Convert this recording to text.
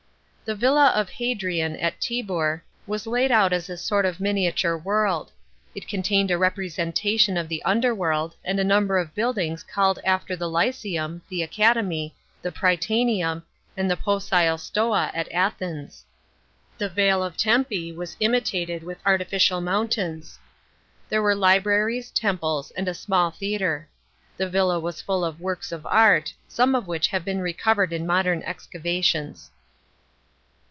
* The villa of Hadrian, at Tibur, was laid out as a sort of miniature world. It contained a representation of the under worU, and a number of buil< lings called after the Lyceum, the Academy, the Prytaneum, and the Poecile Stoa, at Athens. The vale of Tempe was imitated with artificial mountains. There were libraries, temples, and a small theatre. The villa was full of works of art, some of which have been recovered in modern excavations.